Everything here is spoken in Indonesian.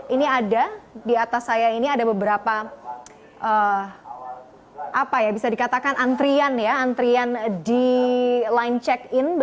ini ada di atas saya ini ada beberapa antrian di line check